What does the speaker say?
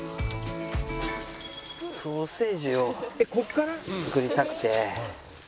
ソーセージを作りたくて。